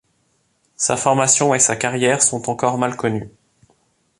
Sa formation et sa carrière sont encore mal connues.